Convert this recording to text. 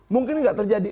mungkin enggak terjadi